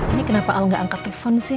ini kenapa al nggak angkat telepon sih